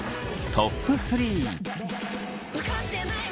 トップ３。